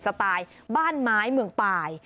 สไตล์บ้านไม้เมืองปลาย